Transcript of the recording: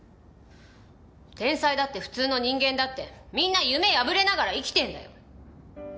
天才だって普通の人間だってみんな夢破れながら生きてんだよ。